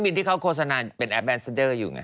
ใครบิดที่เขาโฆษณาเป็นนเซอเดอร์อยู่ไง